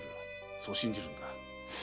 そう信じるんだ。